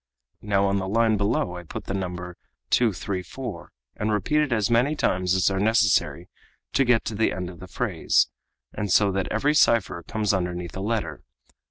Now on the line below I put the number 234, and repeat it as many times as are necessary to get to the end of the phrase, and so that every cipher comes underneath a letter.